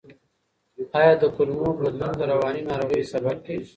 آیا د کولمو بدلون د رواني ناروغیو سبب کیږي؟